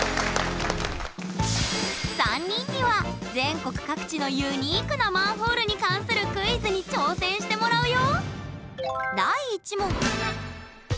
３人には全国各地のユニークなマンホールに関するクイズに挑戦してもらうよ！